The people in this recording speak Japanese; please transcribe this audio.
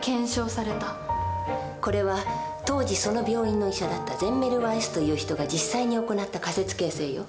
これは当時その病院の医者だったゼンメルワイスという人が実際に行った仮説形成よ。